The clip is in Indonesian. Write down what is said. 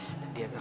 itu dia tau